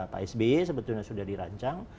pak sby sebetulnya sudah dirancang